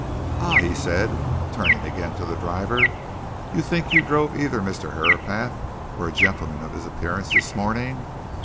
"Ah!" he said, turning again to the driver, "you think you drove either Mr. Herapath or a gentleman of his appearance this morning.